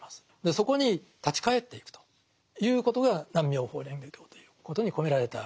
そこに立ち返っていくということが「南無妙法蓮華経」ということに込められた意味ですね。